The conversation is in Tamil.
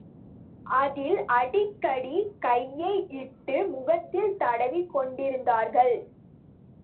அதில் அடிக்கடி கையை இட்டு, முகத்தில் தடவிக் கொண்டிருந்தார்கள்.